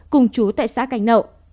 cùng chú tại xã canh nậu